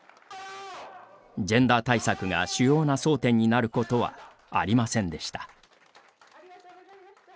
ジェンダー対策が主要な争点になることはありませんでした。